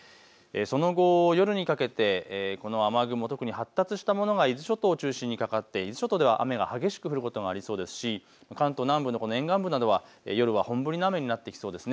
その後、夜にかけて雨雲特に発達したものが伊豆諸島を中心にかかって伊豆諸島では雨が激しく降ることもありそうですし関東南部の沿岸部は夜は本降りの雨になってきそうです。